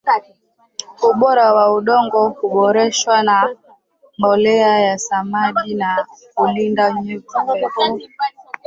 ubora wa udongo huboreshwa na mbolea ya samadi na hulinda unyevu unyevu